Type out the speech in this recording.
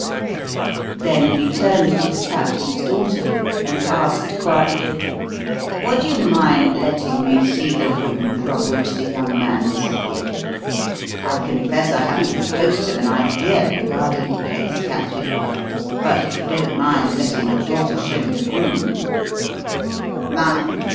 Then he turned to the Captain's daughter, and asked quietly: "Would you mind letting me see the room from which the young man disappeared? I confess I haven't the ghost of an idea regarding the case, Captain; but if you don't mind letting your daughter show me the room " "Mind?